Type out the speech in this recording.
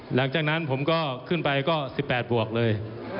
หลังจากนั้นผมก็ขึ้นไปก็๑๘บวกเลย